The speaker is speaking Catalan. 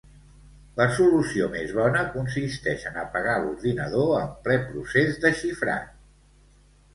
La solució més bona consisteix en apagar l'ordinador en ple procés de xifrat.